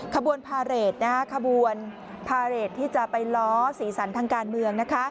ขบวนพาเรทขบวนพาเรทที่จะไปล้อสีสันทางการเมือง